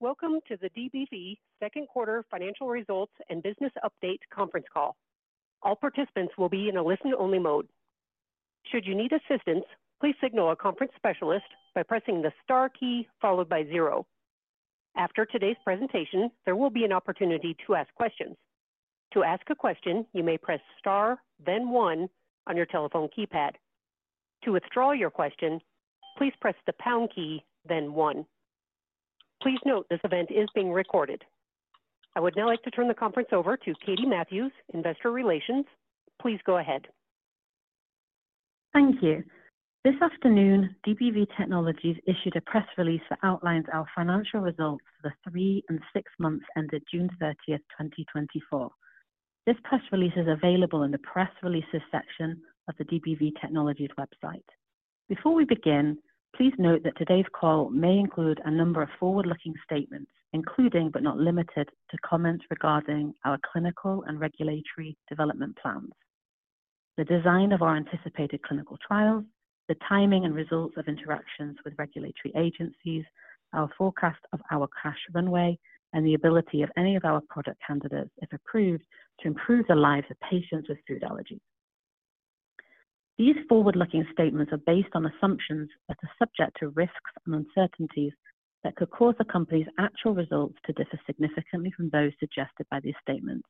Welcome to the DBV Second Quarter Financial Results and Business Update conference call. All participants will be in a listen-only mode. Should you need assistance, please signal a conference specialist by pressing the star key followed by zero. After today's presentation, there will be an opportunity to ask questions. To ask a question, you may press star, then one, on your telephone keypad. To withdraw your question, please press the pound key, then one. Please note this event is being recorded. I would now like to turn the conference over to Katie Matthews, Investor Relations. Please go ahead. Thank you. This afternoon, DBV Technologies issued a press release that outlines our financial results for the three and six months ended 30th June 2024. This press release is available in the press releases section of the DBV Technologies website. Before we begin, please note that today's call may include a number of forward-looking statements, including but not limited to comments regarding our clinical and regulatory development plans, the design of our anticipated clinical trials, the timing and results of interactions with regulatory agencies, our forecast of our cash runway, and the ability of any of our product candidates, if approved, to improve the lives of patients with food allergies. These forward-looking statements are based on assumptions that are subject to risks and uncertainties that could cause the company's actual results to differ significantly from those suggested by these statements.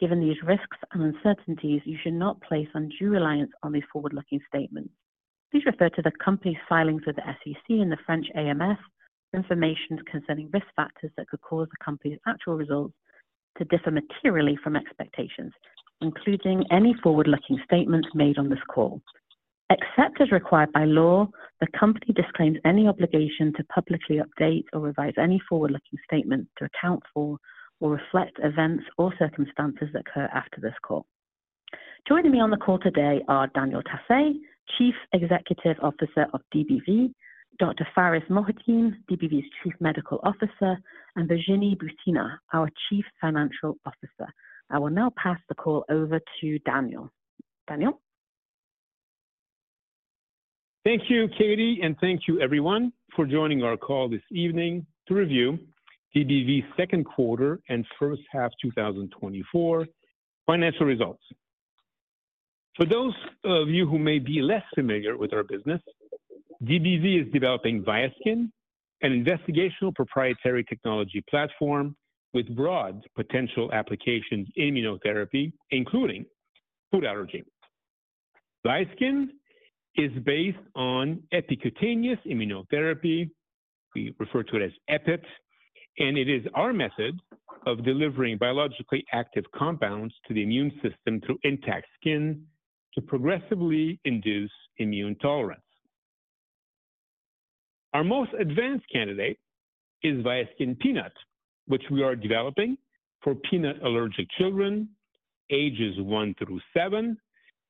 Given these risks and uncertainties, you should not place undue reliance on these forward-looking statements. Please refer to the company's filings with the SEC and the French AMF for information concerning risk factors that could cause the company's actual results to differ materially from expectations, including any forward-looking statements made on this call. Except as required by law, the company disclaims any obligation to publicly update or revise any forward-looking statement to account for or reflect events or circumstances that occur after this call. Joining me on the call today are Daniel Tassé, [Chief Executive Officer] of DBV), Dr. Pharis Mohideen, (DBV's) [Chief Medical Officer] and Virginie Boucinha, our [Chief Financial Officer]. I will now pass the call over to Daniel. Daniel? Thank you, Katie, and thank you, everyone, for joining our call this evening to review DBV Second Quarter and 1H 2024 financial results. For those of you who may be less familiar with our business, DBV is developing VIASKIN, an investigational proprietary technology platform with broad potential applications in immunotherapy, including food allergy. VIASKIN is based on epicutaneous immunotherapy. We refer to it as EPIT, and it is our method of delivering biologically active compounds to the immune system through intact skin to progressively induce immune tolerance. Our most advanced candidate is VIASKIN Peanut, which we are developing for peanut-allergic children ages one through seven,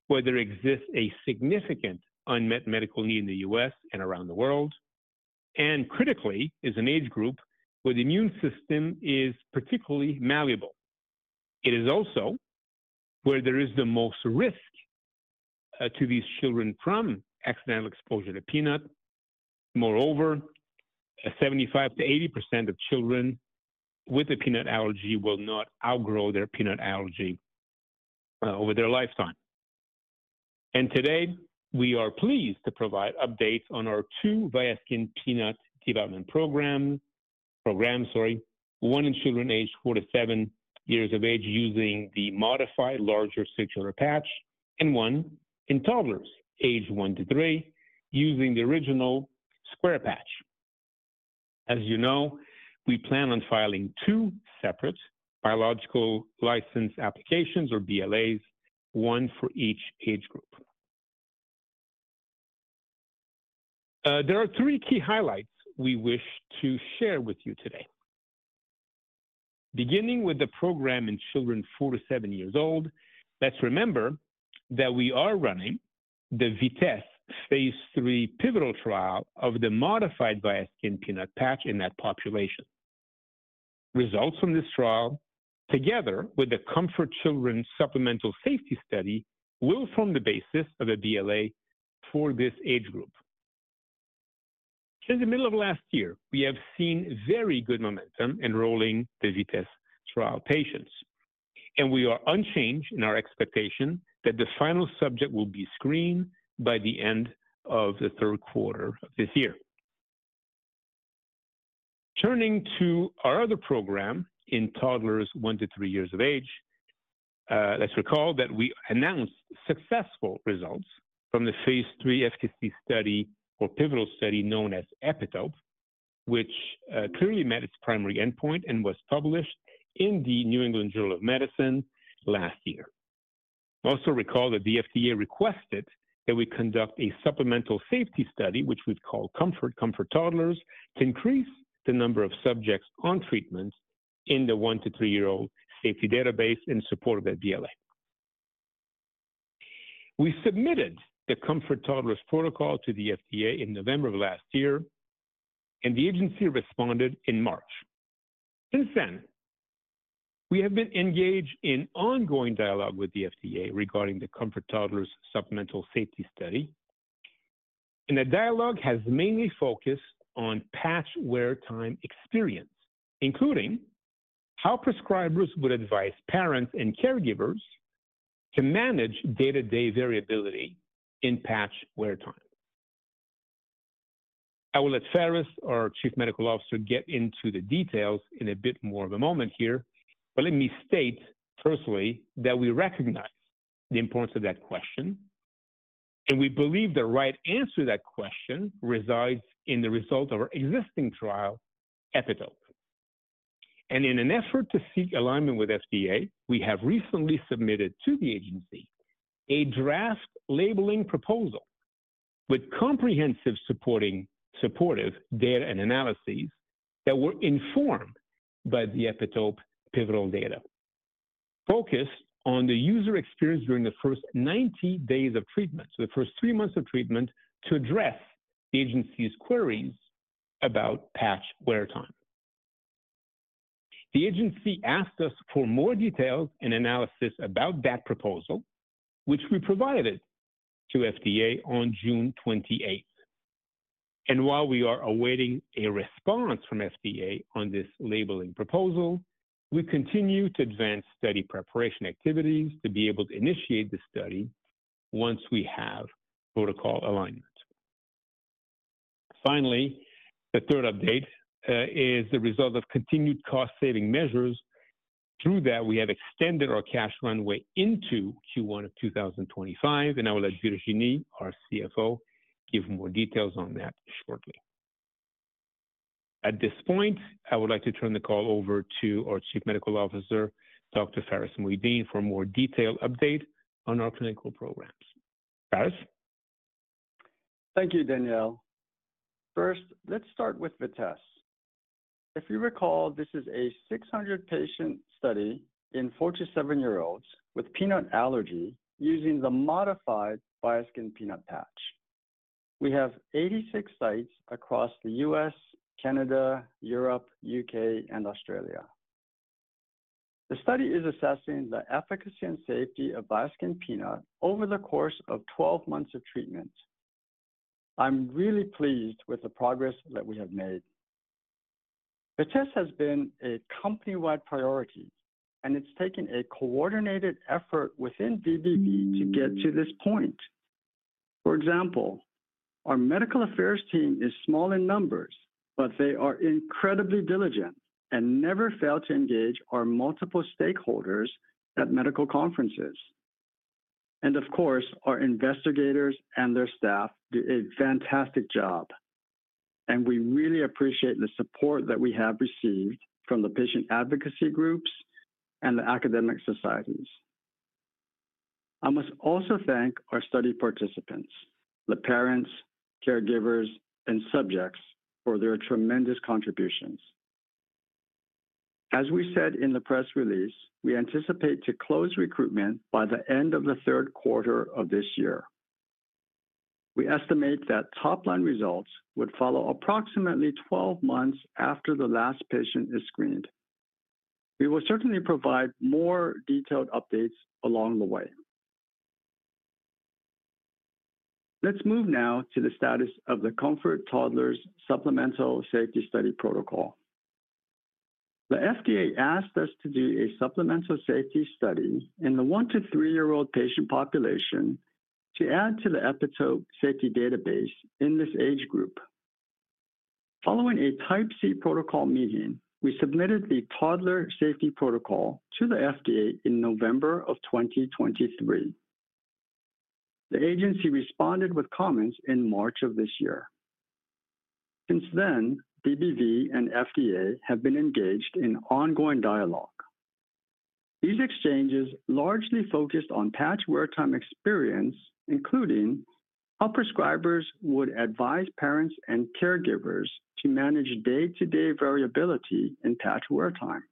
where there exists a significant unmet medical need in the US and around the world, and critically, is an age group where the immune system is particularly malleable. It is also where there is the most risk to these children from accidental exposure to peanut. Moreover, 75% to 80% of children with a peanut allergy will not outgrow their peanut allergy over their lifetime. Today, we are pleased to provide updates on our two VIASKIN Peanut development programs, one in children aged four to seven years of age using the modified larger circular patch, and one in toddlers aged one to three using the original square patch. As you know, we plan on filing two separate Biologics License Applications, or BLAs, one for each age group. There are three key highlights we wish to share with you today. Beginning with the program in children four to seven years old, let's remember that we are running the VITESSE phase III pivotal trial of the modified VIASKIN Peanut patch in that population. Results from this trial, together with the COMFORT Children Supplemental Safety Study, will form the basis of a BLA for this age group. Since the middle of last year, we have seen very good momentum enrolling the VITESSE trial patients, and we are unchanged in our expectation that the final subject will be screened by the end of the third quarter of this year. Turning to our other program in toddlers one to three years of age, let's recall that we announced successful results from the phase III EPITOPE study or pivotal study known as EPITOPE, which clearly met its primary endpoint and was published in the New England Journal of Medicine last year. Also recall that the FDA requested that we conduct a supplemental safety study, which we've called COMFORT, COMFORT Toddlers, to increase the number of subjects on treatment in the one to three year old safety database in support of that BLA. We submitted the COMFORT Toddlers protocol to the FDA in November of last year, and the agency responded in March. Since then, we have been engaged in ongoing dialogue with the FDA regarding the COMFORT Toddlers supplemental safety study, and that dialogue has mainly focused on patch wear time experience, including how prescribers would advise parents and caregivers to manage day-to-day variability in patch wear time. I will let Pharis, our Chief Medical Officer, get into the details in a bit more of a moment here, but let me state personally that we recognize the importance of that question, and we believe the right answer to that question resides in the result of our existing trial, EPITOPE. In an effort to seek alignment with the FDA, we have recently submitted to the agency a draft labeling proposal with comprehensive supportive data and analyses that were informed by the EPITOPE pivotal data, focused on the user experience during the first 90 days of treatment, so the first three months of treatment, to address the agency's queries about patch wear time. The agency asked us for more details and analysis about that proposal, which we provided to the FDA on 28th June. While we are awaiting a response from the FDA on this labeling proposal, we continue to advance study preparation activities to be able to initiate the study once we have protocol alignment. Finally, the third update is the result of continued cost-saving measures. Through that, we have extended our cash runway into Q1 of 2025, and I will let Virginie, our CFO, give more details on that shortly. At this point, I would like to turn the call over to our Chief Medical Officer, Dr. Pharis Mohideen, for a more detailed update on our clinical programs. Pharis? Thank you, Danielle. First, let's start with VITESSE. If you recall, this is a 600-patient study in four to seven-year-olds with peanut allergy using the modified VIASKIN Peanut patch. We have 86 sites across the US, Canada, Europe, the UK, and Australia. The study is assessing the efficacy and safety of VIASKIN Peanut over the course of 12 months of treatment. I'm really pleased with the progress that we have made. VITESSE has been a company-wide priority, and it's taken a coordinated effort within DBV to get to this point. For example, our medical affairs team is small in numbers, but they are incredibly diligent and never fail to engage our multiple stakeholders at medical conferences. And of course, our investigators and their staff do a fantastic job, and we really appreciate the support that we have received from the patient advocacy groups and the academic societies. I must also thank our study participants, the parents, caregivers, and subjects for their tremendous contributions. As we said in the press release, we anticipate to close recruitment by the end of the third quarter of this year. We estimate that top-line results would follow approximately 12 months after the last patient is screened. We will certainly provide more detailed updates along the way. Let's move now to the status of the COMFORT Toddlers supplemental safety study protocol. The FDA asked us to do a supplemental safety study in the one- to three-year-old patient population to add to the EPITOPE safety database in this age group. Following a Type C protocol meeting, we submitted the Toddler Safety Protocol to the FDA in November of 2023. The agency responded with comments in March of this year. Since then, DBV and FDA have been engaged in ongoing dialogue. These exchanges largely focused on patch wear time experience, including how prescribers would advise parents and caregivers to manage day-to-day variability in patch wear time.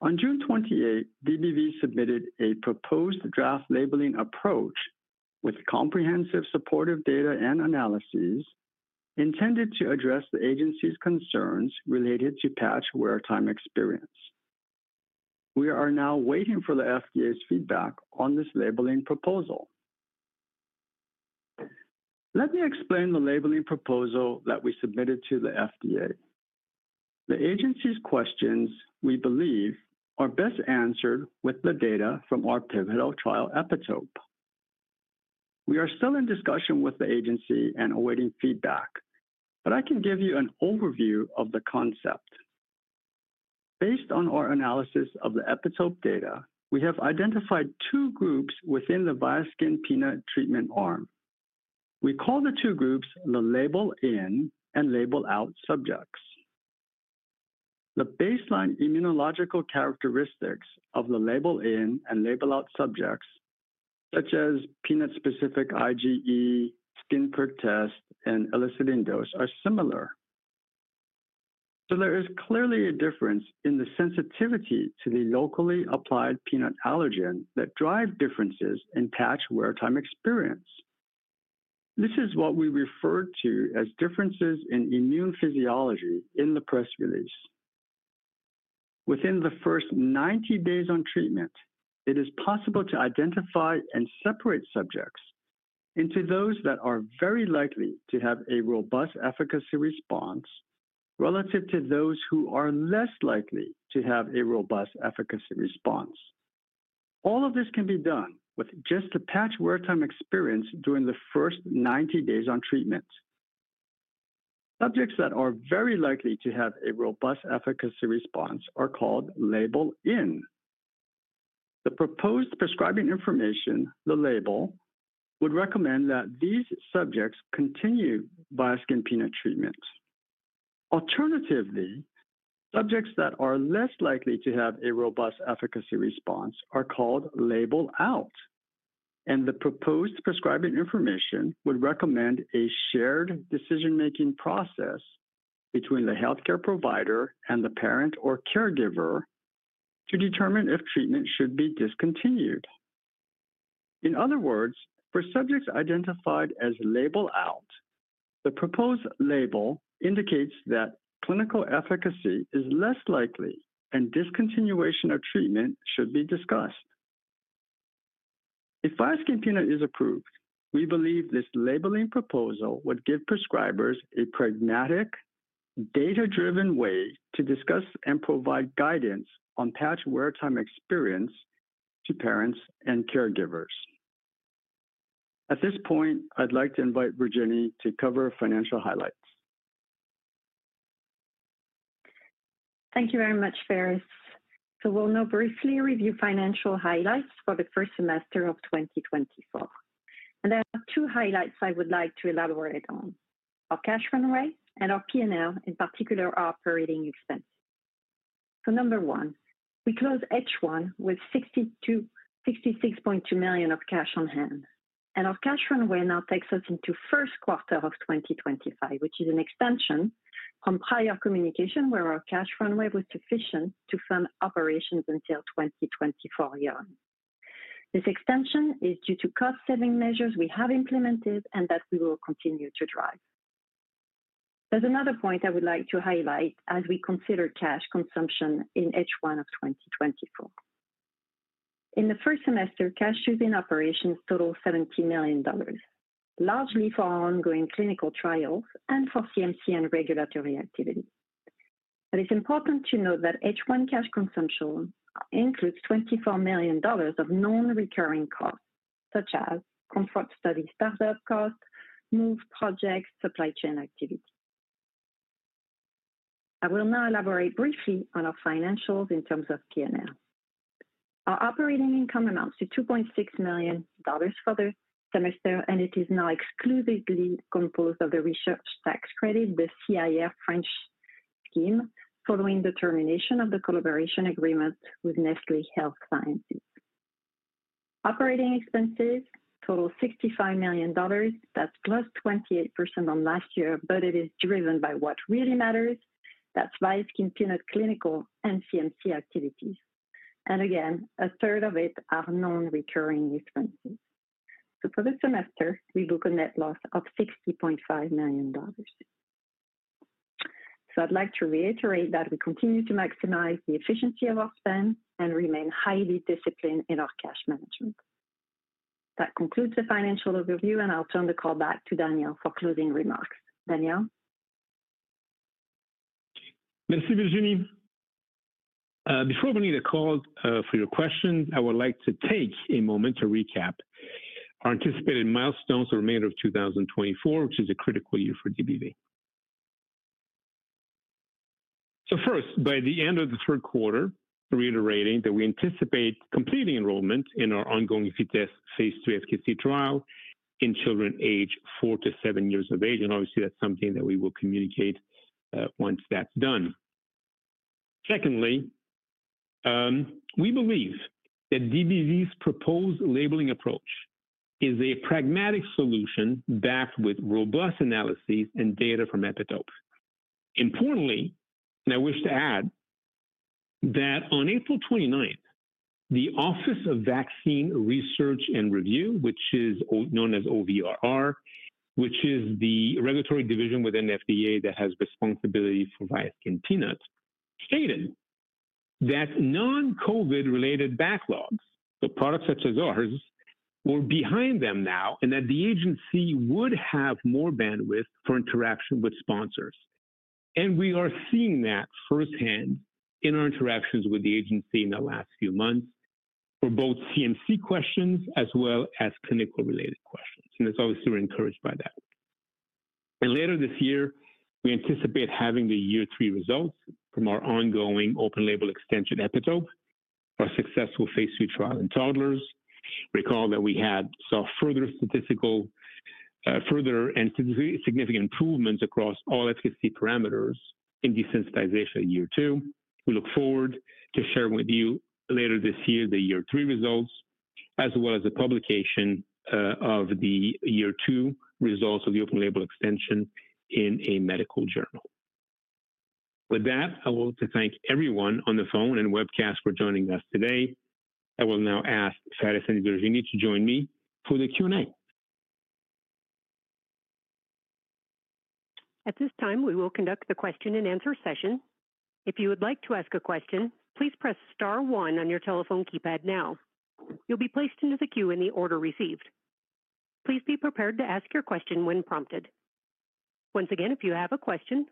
On 28 June, DBV submitted a proposed draft labeling approach with comprehensive supportive data and analyses intended to address the agency's concerns related to patch wear time experience. We are now waiting for the FDA's feedback on this labeling proposal. Let me explain the labeling proposal that we submitted to the FDA. The agency's questions, we believe, are best answered with the data from our pivotal trial, EPITOPE. We are still in discussion with the agency and awaiting feedback, but I can give you an overview of the concept. Based on our analysis of the EPITOPE data, we have identified two groups within the VIASKIN Peanut treatment arm. We call the two groups the Label-in and Label-out subjects. The baseline immunological characteristics of the Label-in and Label-out subjects, such as peanut-specific IgE, skin prick test, and eliciting dose, are similar. So there is clearly a difference in the sensitivity to the locally applied peanut allergen that drive differences in patch wear time experience. This is what we refer to as differences in immune physiology in the press release. Within the first 90 days on treatment, it is possible to identify and separate subjects into those that are very likely to have a robust efficacy response relative to those who are less likely to have a robust efficacy response. All of this can be done with just the patch wear time experience during the first 90 days on treatment. Subjects that are very likely to have a robust efficacy response are called Label-in. The proposed prescribing information, the label, would recommend that these subjects continue VIASKIN Peanut treatment. Alternatively, subjects that are less likely to have a robust efficacy response are called label-out, and the proposed prescribing information would recommend a shared decision-making process between the healthcare provider and the parent or caregiver to determine if treatment should be discontinued. In other words, for subjects identified as label-out, the proposed label indicates that clinical efficacy is less likely and discontinuation of treatment should be discussed. If VIASKIN Peanut is approved, we believe this labeling proposal would give prescribers a pragmatic, data-driven way to discuss and provide guidance on patch wear time experience to parents and caregivers. At this point, I'd like to invite Virginie to cover financial highlights. Thank you very much, Pharis. So we'll now briefly review financial highlights for the first semester of 2024. And there are two highlights I would like to elaborate on: our cash runway and our P&L, in particular, our operating expenses. So number one, we close H1 with $66.2 million of cash on hand, and our cash runway now takes us into the first quarter of 2025, which is an extension from prior communication where our cash runway was sufficient to fund operations until 2024 year. This extension is due to cost-saving measures we have implemented and that we will continue to drive. There's another point I would like to highlight as we consider cash consumption in H1 of 2024. In the first semester, cash used in operations totaled $70 million, largely for ongoing clinical trials and for CMC and regulatory activity. It's important to note that H1 cash consumption includes $24 million of non-recurring costs, such as comfort study startup costs, move projects, and supply chain activity. I will now elaborate briefly on our financials in terms of P&L. Our operating income amounts to $2.6 million for the semester, and it is now exclusively composed of the research tax credit, the CIF French scheme, following the termination of the collaboration agreement with Nestlé Health Science. Operating expenses total $65 million. That's plus 28% on last year, but it is driven by what really matters. That's VIASKIN Peanut clinical and CMC activities. Again, a third of it are non-recurring expenses. For the semester, we book a net loss of $60.5 million. I'd like to reiterate that we continue to maximize the efficiency of our spend and remain highly disciplined in our cash management. That concludes the financial overview, and I'll turn the call back to Daniel for closing remarks. Daniel? Virginie. Before opening the call for your questions, I would like to take a moment to recap our anticipated milestones for the remainder of 2024, which is a critical year for DBV. First, by the end of the third quarter, reiterating that we anticipate completing enrollment in our ongoing VITESSE phase III trial in children aged four to seven years of age. Obviously, that's something that we will communicate once that's done. Secondly, we believe that DBV's proposed labeling approach is a pragmatic solution backed with robust analyses and data from EPITOPE. Importantly, and I wish to add that on 29th April, the Office of Vaccines Research and Review, which is known as OVRR, which is the regulatory division within the FDA that has responsibility for VIASKIN Peanut, stated that non-COVID-related backlogs, so products such as ours, were behind them now and that the agency would have more bandwidth for interaction with sponsors. We are seeing that firsthand in our interactions with the agency in the last few months for both CMC questions as well as clinical-related questions. It's obvious we're encouraged by that. Later this year, we anticipate having the year three results from our ongoing open label extension EPITOPE, our successful phase II trial in toddlers. Recall that we had saw further statistical, further and significant improvements across all efficacy parameters in desensitization year two. We look forward to sharing with you later this year the year three results, as well as the publication of the year two results of the open label extension in a medical journal. With that, I want to thank everyone on the phone and webcast for joining us today. I will now ask Pharis and Virginie to join me for the Q and A. At this time, we will conduct the question-and-answer session. If you would like to ask a question, please press Star one on your telephone keypad now. You'll be placed into the queue in the order received. Please be prepared to ask your question when prompted. Once again, if you have a question,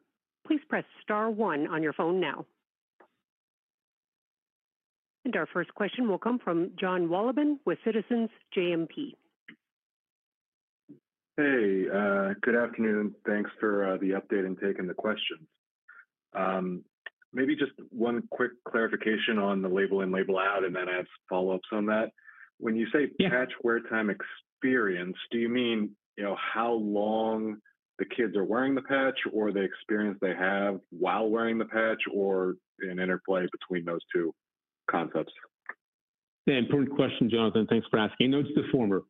please press Star one on your phone now. Our first question will come from Jonathan Wolleben with Citizens JMP. Hey, good afternoon. Thanks for the update and taking the question. Maybe just one quick clarification on the label-in and label-out, and then I have some follow-ups on that. When you say patch wear time experience, do you mean how long the kids are wearing the patch or the experience they have while wearing the patch or an interplay between those two concepts? Yeah, important question, Jonathan. Thanks for asking. No, it's the former.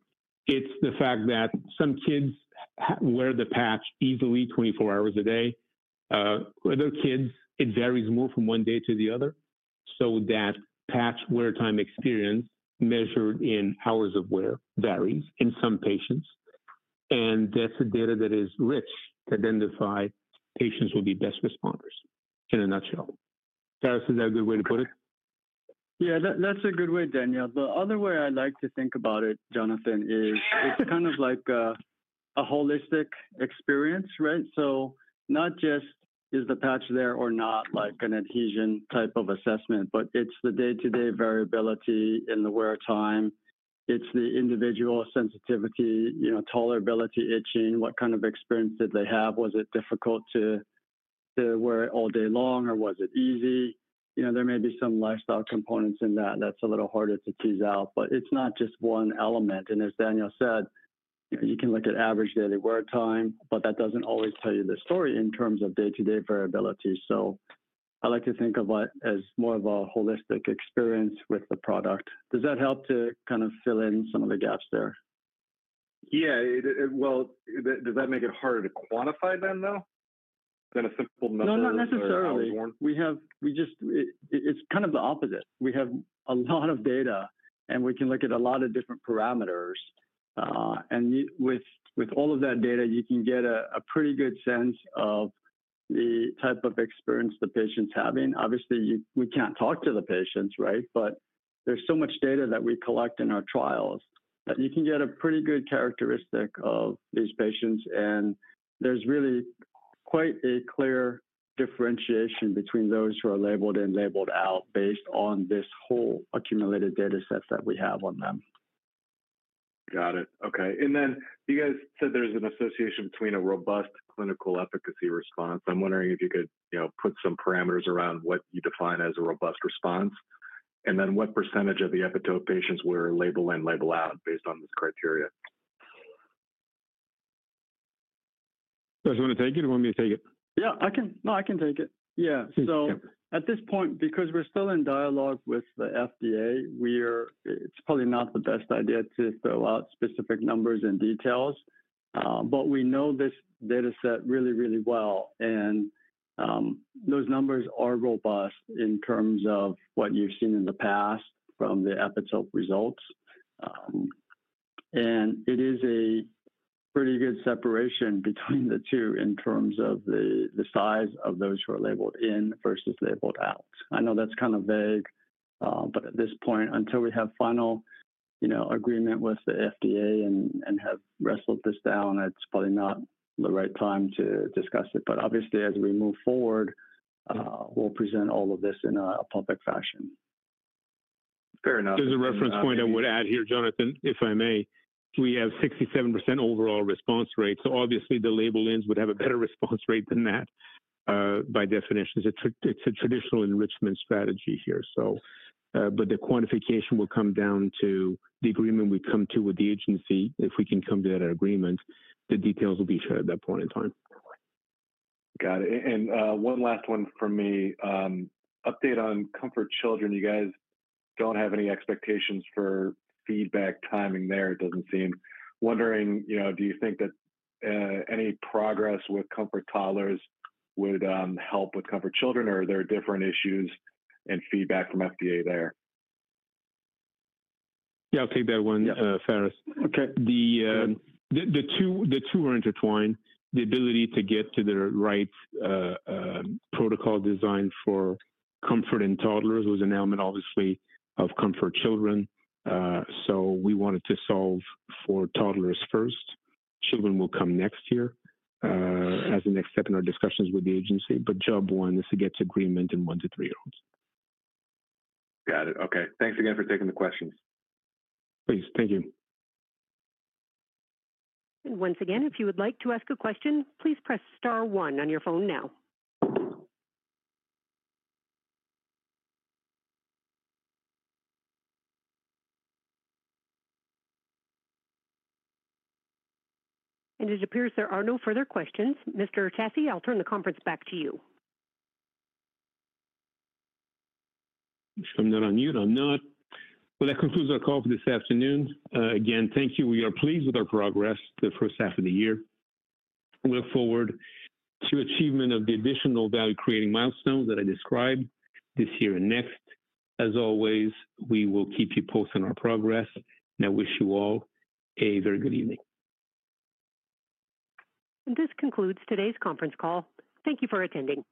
It's the fact that some kids wear the patch easily 24 hours a day. Other kids, it varies more from one day to the other, so that patch wear time experience measured in hours of wear varies in some patients. And that's the data that is rich to identify patients who will be best responders in a nutshell. Pharis, is that a good way to put it? Yeah, that's a good way, Daniel. The other way I like to think about it, Jonathan, is it's kind of like a holistic experience, right? So not just is the patch there or not like an adhesion type of assessment, but it's the day-to-day variability in the wear time. It's the individual sensitivity, tolerability, itching, what kind of experience did they have? Was it difficult to wear it all day long, or was it easy? There may be some lifestyle components in that that's a little harder to tease out, but it's not just one element. And as Daniel said, you can look at average daily wear time, but that doesn't always tell you the story in terms of day-to-day variability. So, I like to think of it as more of a holistic experience with the product. Does that help to kind of fill in some of the gaps there? Yeah. Well, does that make it harder to quantify then, though, than a simple measurement? No, not necessarily. We have, we just, it's kind of the opposite. We have a lot of data, and we can look at a lot of different parameters. And with all of that data, you can get a pretty good sense of the type of experience the patient's having. Obviously, we can't talk to the patients, right? But there's so much data that we collect in our trials that you can get a pretty good characteristic of these patients. And there's really quiete a clear differentiation between those who are label-in and label-out based on this whole accumulated dataset that we have on them. Got it. Okay. And then you guys said there's an association between a robust clinical efficacy response. I'm wondering if you could put some parameters around what you define as a robust response, and then what percentage of the EPITOPE patients were label-in and label-out based on these criteria? Does anyone want to take it? Do you want me to take it? Yeah. So, at this point, because we're still in dialogue with the FDA, it's probably not the best idea to throw out specific numbers and details. But we know this dataset really, really well. And those numbers are robust in terms of what you've seen in the past from the EPITOPE results. And it is a pretty good separation between the two in terms of the size of those who are labeled in versus labeled out. I know that's kind of vague, but at this point, until we have final agreement with the FDA and have wrestled this down, it's probably not the right time to discuss it. But obviously, as we move forward, we'll present all of this in a public fashion. Fair enough. There's a reference point I would add here, Jonathan, if I may. We have 67% overall response rate. So obviously, the label-ins would have a better response rate than that by definition. It's a traditional enrichment strategy here. But the quantification will come down to the agreement we come to with the agency. If we can come to that agreement, the details will be shared at that point in time. Got it. And one last one from me. Update on COMFORT Children. You guys don't have any expectations for feedback timing there, it doesn't seem. Wondering, do you think that any progress with COMFORT Toddlers would help with COMFORT Children, or are there different issues and feedback from FDA there? Yeah, I'll take that one, Pharis. The two are intertwined. The ability to get to the right protocol design for COMFORT Toddlers was an element, obviously, of COMFORT Children. So, we wanted to solve for toddlers first. Children will come next year as the next step in our discussions with the agency. But job one is to get to agreement in one- to three-year-olds. Got it. Okay. Thanks again for taking the questions. Please. Thank you. Once again, if you would like to ask a question, please press Star one on your phone now. It appears there are no further questions. Mr. Tassé, I'll turn the conference back to you. I'm not on mute. I'm not. Well, that concludes our call for this afternoon. Again, thank you. We are pleased with our progress the first half of the year. We look forward to achievement of the additional value-creating milestones that I described this year and next. As always, we will keep you posted on our progress. I wish you all a very good evening. This concludes today's conference call. Thank you for attending.